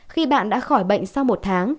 khi bạn đã khỏi bệnh sau một tháng